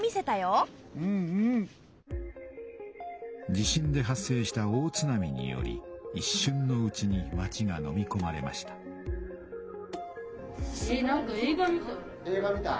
地震で発生した大津波により一瞬のうちに町がのみ込まれました映画みたい？